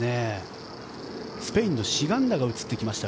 スペインのシガンダが映ってきました。